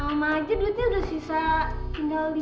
amah aja duitnya udah sisa tinggal lima juta